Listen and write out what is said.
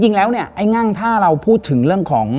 จริงแล้วเนี่ยไอ้งั่งถ้าเราพูดถึงเรื่องของ